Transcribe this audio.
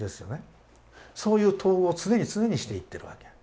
そういう統合を常に常にしていってるわけ。